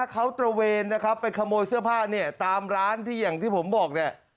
เขาตระเวณไปขโมยเสื้อผ้าตามร้านที่อย่างที่ผมบอก